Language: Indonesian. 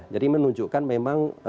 jadi menunjukkan memang